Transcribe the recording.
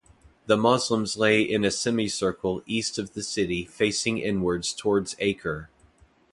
The Muslims lay in a semicircle east of the city facing inwards towards Acre.